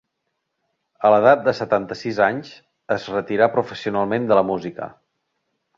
A l'edat de setanta-sis anys es retirà professionalment de la música.